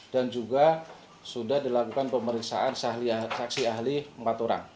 dan juga sudah dilakukan pemeriksaan saksi ahli empat orang